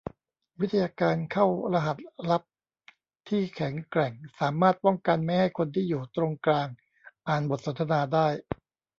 วิทยาการเข้ารหัสลับที่แข็งแกร่งสามารถป้องกันไม่ให้คนที่อยู่ตรงกลางอ่านบทสนทนาได้